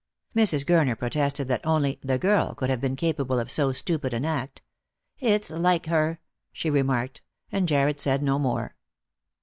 Mrs. Gurner protested that only " the girl " could have been capable of so stupid an act. "It's like her," she remarked; and Jarred said no more.